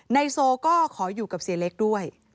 นายโซก็ขออยู่กับเสียเล็กด้วย